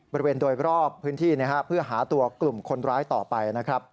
บริเวณโดยรอบพื้นที่เพื่อหาตัวกลุ่มคนร้ายต่อไปนะครับ